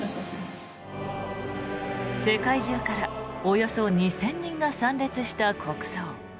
世界中からおよそ２０００人が参列した国葬。